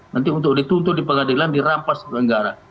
nanti untuk dituntut di pengadilan dirampas ke negara